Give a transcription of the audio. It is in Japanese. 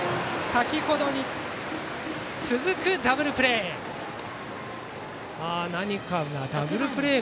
先ほどに続くダブルプレー！